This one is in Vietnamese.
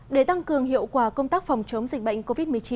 để tăng cường hiệu quả công tác phòng chống dịch bệnh covid một mươi chín